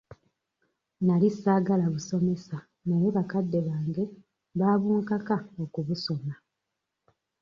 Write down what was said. Nali saagala busomesa naye bakadde bange baabunkaka okubusoma.